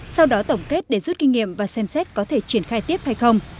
sau đó tổng kết để rút kinh nghiệm và xem xét có thể triển khai tiếp hay không